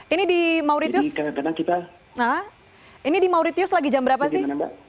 ini di mauritius lagi jam berapa sih